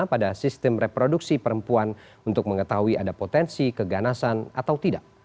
pada sistem reproduksi perempuan untuk mengetahui ada potensi keganasan atau tidak